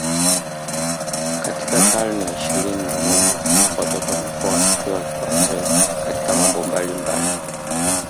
katika karne ya ishirini na moja watoto wamekuwa wakipewa kipaumbele katika mambo mbalimbali